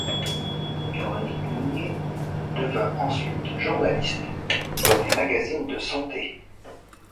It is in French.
Véronique Mounier devint ensuite journaliste dans des magazines de santé.